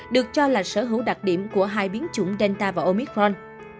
được cho là sở hữu đặc điểm của hai biến chủng delta và omitforn